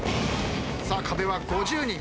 さあ壁は５０人。